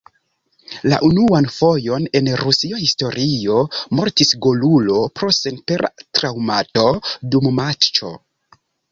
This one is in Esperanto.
La unuan fojon en rusia historio mortis golulo pro senpera traŭmato dum matĉo.